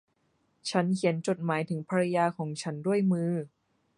ฉันเขียนจดหมายถึงภรรยาของฉันด้วยมือ